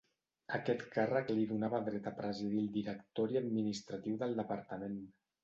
Aquest càrrec li donava dret a presidir el directori administratiu del departament.